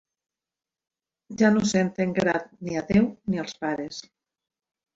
Ja no senten grat ni a Déu ni als pares.